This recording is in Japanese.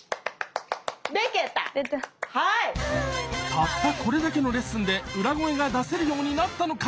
たったこれだけのレッスンで裏声が出せるようになったのか？